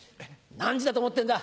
何時だと思ってんだ！